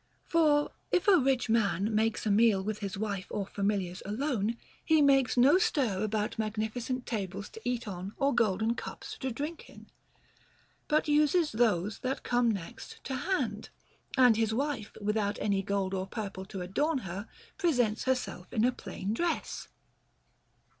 For if a rich man makes a meal with his wife or familiars alone, he makes no stir about magnificent tables to eat on or golden cups to drink in, but uses those that come next to hand ; and his wife, without any gold or purple to adorn her, presents herself in a plain dress.